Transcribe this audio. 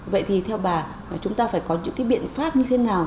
vậy thì theo bà chúng ta phải có những cái biện pháp như thế nào